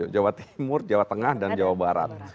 jawa timur jawa tengah dan jawa barat